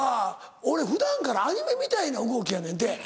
俺普段からアニメみたいな動きやねんて。